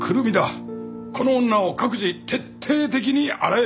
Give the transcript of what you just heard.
この女を各自徹底的に洗え！